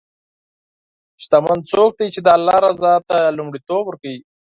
شتمن څوک دی چې د الله رضا ته لومړیتوب ورکوي.